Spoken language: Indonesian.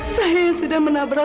saya sudah menabrak